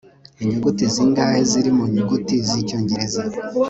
inyuguti zingahe ziri mu nyuguti z'icyongereza